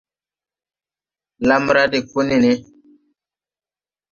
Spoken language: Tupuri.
Lamra de ko nene.